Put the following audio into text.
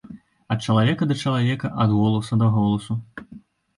Ад чалавека да чалавека, ад голасу да голасу.